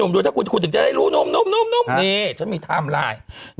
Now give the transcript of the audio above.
ดูถ้าคุณถึงจะได้รู้นุ่มนี่ฉันมีไทม์ไลน์